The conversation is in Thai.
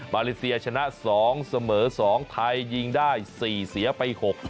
เลเซียชนะ๒เสมอ๒ไทยยิงได้๔เสียไป๖